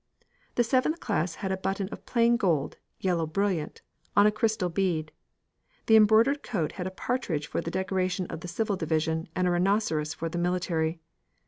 The seventh class had a button of plain gold yellow brilliant on a crystal bead. The embroidered coat had a partridge for the decoration of the civil division, and a rhinoceros for the military.